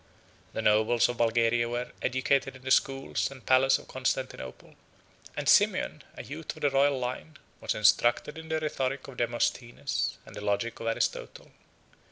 The nobles of Bulgaria were educated in the schools and palace of Constantinople; and Simeon, 14 a youth of the royal line, was instructed in the rhetoric of Demosthenes and the logic of Aristotle.